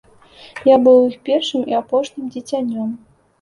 Я быў у іх першым і апошнім дзіцянём.